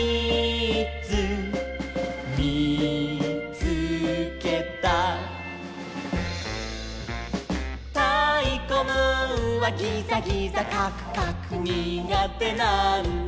つけた」「たいこムーンはギザギザカクカクにがてなんだ」